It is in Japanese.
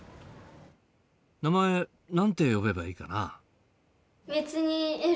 名前何て呼べばいいかな？